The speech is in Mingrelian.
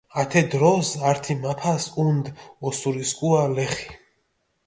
ათე დროს ართი მაფას ჸუნდჷ ოსურისქუა ლეხი.